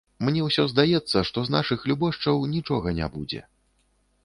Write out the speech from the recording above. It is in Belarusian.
Мне ўсё здаецца, што з нашых любошчаў нічога не будзе.